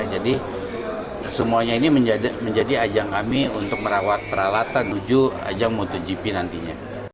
jadi semuanya ini menjadi ajang kami untuk merawat peralatan uju ajang motogp nantinya